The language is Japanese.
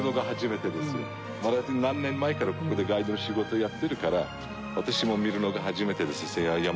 何年前からここでガイドの仕事やってるから私も見るのが初めてです。